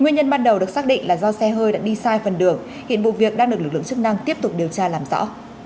nguyên nhân ban đầu được xác định là do xe hơi đã đi sai phần đường hiện vụ việc đang được lực lượng chức năng tiếp tục điều tra làm rõ